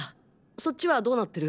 そっちはどなってる？